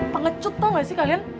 pengecut tau gak sih kalian